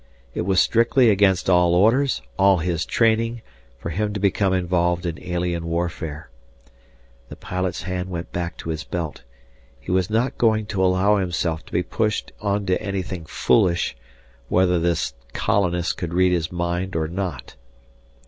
It was strictly against all orders, all his training, for him to become involved in alien warfare. The pilot's hand went back to his belt. He was not going to allow himself to be pushed onto anything foolish, whether this "colonist" could read his mind or not.